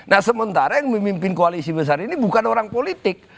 nah sementara yang memimpin koalisi besar ini bukan orang politik